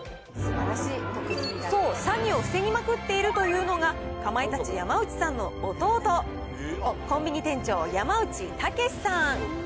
そう、詐欺を防ぎまくっているというのが、かまいたち・山内さんの弟、コンビニ店長、山内剛さん。